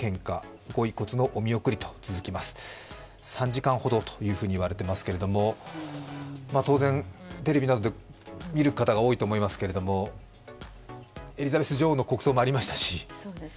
３時間ほどと言われていますが、当然、テレビなどで見る方が多いと思いますけれども、エリザベス女王の国葬もありましたし。